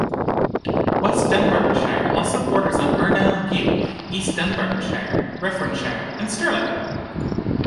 West Dunbartonshire also borders onto Argyll and Bute, East Dunbartonshire, Renfrewshire and Stirling.